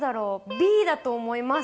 Ｂだと思います。